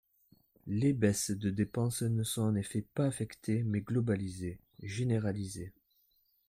Les baisses de dépenses ne sont en effet pas affectées mais globalisées, généralisées.